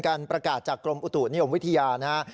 การประกาศจากกรมอุตุนิยมวิทยานะครับ